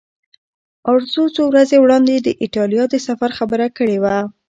ارزو څو ورځې وړاندې د ایټالیا د سفر خبره کړې وه.